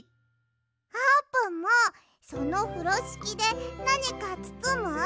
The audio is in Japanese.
あーぷんもそのふろしきでなにかつつむ？